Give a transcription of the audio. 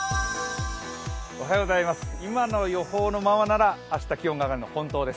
今の予報のままなら、明日気温が上がるのは本当です。